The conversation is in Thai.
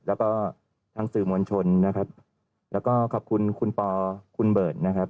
แล้วก็ทั้งสื่อมวลชนนะครับแล้วก็ขอบคุณคุณปอคุณเบิร์ตนะครับ